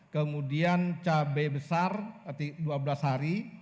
kemudian cabai besar dua belas hari